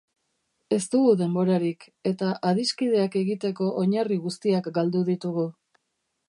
Ez dugu denborarik, eta adiskideak egiteko oinarri guztiak galdu ditugu.